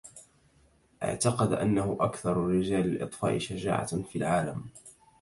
أعتقد أنّه أكثر رجال الإطفاء شجاعة في العالم.